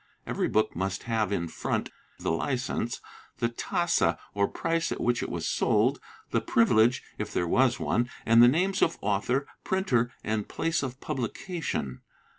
Every book must have in front the licence, the tassa or price at which it was sold, the privilege, if there was one, and the names of author, printer and place of publication.